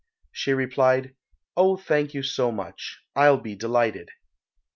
She replied, "Oh, thank you so much, I'll be delighted."